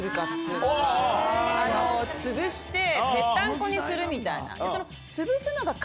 つぶして。にするみたいな。